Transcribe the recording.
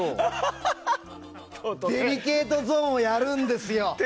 デリケートゾーンをやるんですよ。